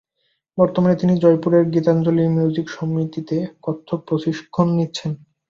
বর্তমানে তিনি জয়পুরের গীতাঞ্জলি মিউজিক সমিতিতে কত্থক প্রশিক্ষণ দিচ্ছেন।